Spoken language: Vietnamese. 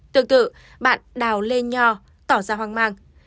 tương tự bạn đào lê nho tỏ ra hoang mang